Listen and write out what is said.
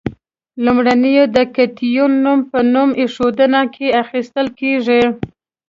لومړی د کتیون نوم په نوم ایښودنه کې اخیستل کیږي.